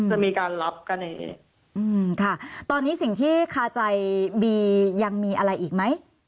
จะมีการรับกันเองอืมค่ะตอนนี้สิ่งที่คาใจบียังมีอะไรอีกไหม